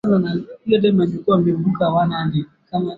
huku akitaka uungwaji mikono juu ya kile ambacho watakiamua